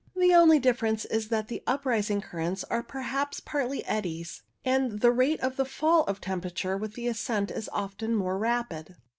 The only difference is that the uprising currents are perhaps partly eddies, and the rate of fall of temperature with ascent is often more rapid.